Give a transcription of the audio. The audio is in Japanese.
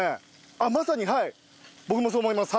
あっまさにはい僕もそう思います。